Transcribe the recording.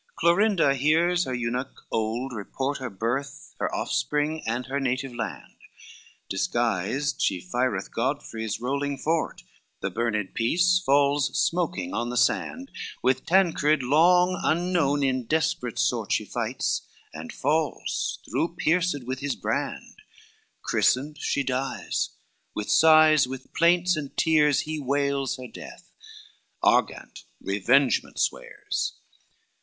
Clorinda hears her eunuch old report Her birth, her offspring, and her native land; Disguised she fireth Godfrey's rolling fort. The burned piece falls smoking on the sand: With Tancred long unknown in desperate sort She fights, and falls through pierced with his brand: Christened she dies; with sighs, with plaints and tears. He wails her death; Argant revengement swears.